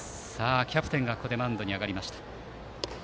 キャプテンがマウンドに上がりました。